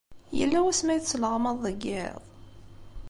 Yella wasmi ay tesleɣmaḍ deg yiḍ?